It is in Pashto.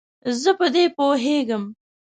زه په دې پوهیږم.